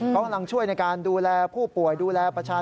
เขากำลังช่วยในการดูแลผู้ป่วยดูแลประชาชน